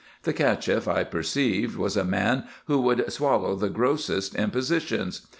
The CachefF, I perceived, was a man who would swallow the grossest impositions.